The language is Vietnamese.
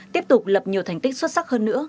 tiếp tục lập nhiều thành tích xuất sắc hơn nữa